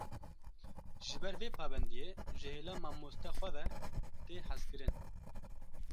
Ji ber vê pabendiyê, ji hêla mamoste xwe ve, tê hezkirin